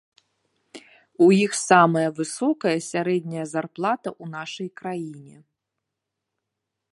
У іх самая высокая сярэдняя зарплата ў нашай краіне.